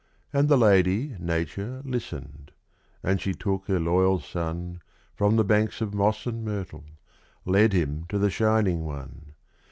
And the lady, Nature, listened; and she took her loyal son From the banks of moss and myrtle led him to the Shining One!